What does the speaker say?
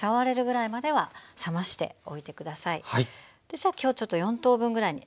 じゃあ今日ちょっと４等分ぐらいに。